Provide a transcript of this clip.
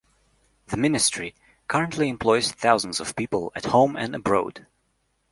The Ministry currently employs thousands of people at home and abroad.